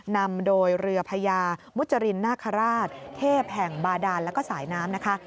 นำโดยเรือพญามุจรินนาคาราชเทพแห่งบาดานแล้วก็สายน้ำนะคะ